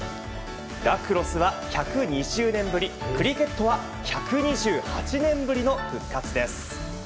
ラクロスは１２０年ぶりクリケットは１２８年ぶりの復活です。